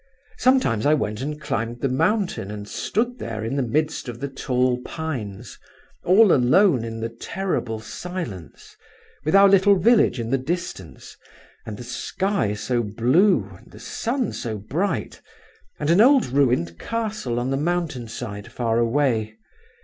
Sometimes I went and climbed the mountain and stood there in the midst of the tall pines, all alone in the terrible silence, with our little village in the distance, and the sky so blue, and the sun so bright, and an old ruined castle on the mountain side, far away.